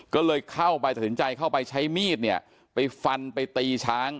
ก็เลยเข้าไปตัดสินใจเข้าไปใช้มีดเนี่ยไปฟันไปตีช้าง